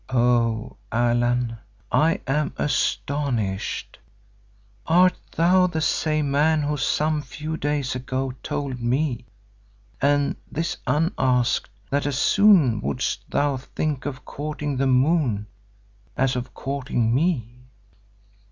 Oh! Allan, I am astonished. Art thou the same man who some few days ago told me, and this unasked, that as soon wouldst thou think of courting the moon as of courting me?